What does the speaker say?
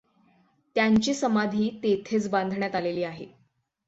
त्यांची समाधी तेथेच बांधण्यात आलेली आहे.